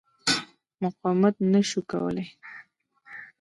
مقاومت نه شو کولای.